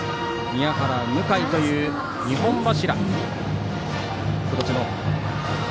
宮原、向井という二本柱。